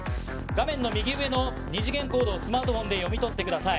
画面の右上の二次元コードをスマートフォンで読み取ってください。